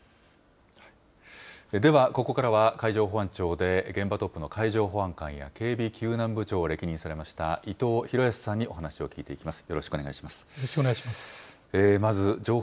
では、ここからは海上保安庁で、現場トップの海上保安監や警備救難部長を歴任されました伊藤裕康さんにお話を聞いていきます。